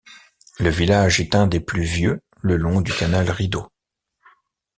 Le village est un des plus vieux le long du canal Rideau.